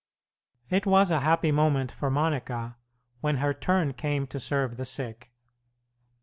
It was a happy moment for Monica when her turn came to serve the sick.